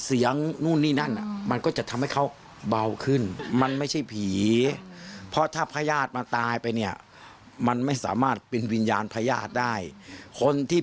ที่อุดอยู่ในลำไส้ส่วนใหญ่เป็นพยาศิ